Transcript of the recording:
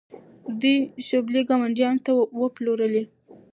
دوی شوبلې ګاونډیانو ته وپلورلې.